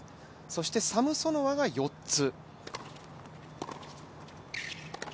そしてサムソノワが４つ。